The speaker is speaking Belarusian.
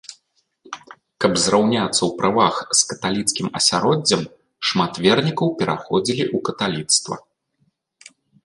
Каб зраўняцца ў правах з каталіцкім асяроддзем, шмат вернікаў пераходзілі ў каталіцтва.